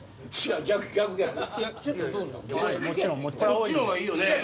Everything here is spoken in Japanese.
こっちの方がいいよね。